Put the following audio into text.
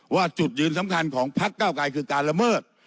จุดยืนสำคัญของพักเก้าไกรคือการละเมิด